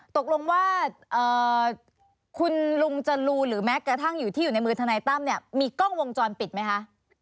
ตกลงว่าคุณลุงจรูหรือแม้กระทั่งอยู่ที่อยู่ในมือทนายตั้มเนี่ยมีกล้องวงจรปิดไหมคะ